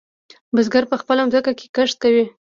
بزگر په خپله ځمکه کې کښت کوي.